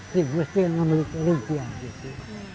si gusti yang ngambil kerintian gitu